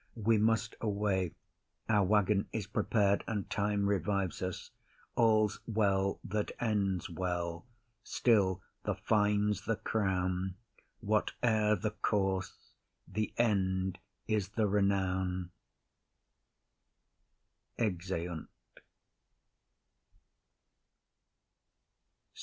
We must away; Our waggon is prepar'd, and time revives us. All's well that ends well; still the fine's the crown. Whate'er the course, the end is the renown. [_Exeunt.